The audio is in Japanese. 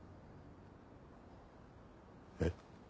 えっ？